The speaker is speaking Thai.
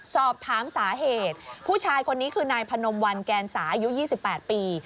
สอบถามสาเหตุผู้ชายคนนี้คือนายพนมวันแกนสาอายุ๒๘ปี